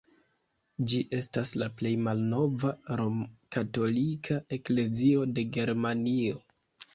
Ĝi estas la plej malnova rom-katolika eklezio de Germanio.